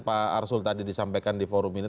pak arsul tadi disampaikan di forum ini